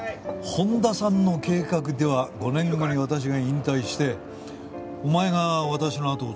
本多さんの計画では５年後に私が引退してお前が私の跡を継ぐらしいよ。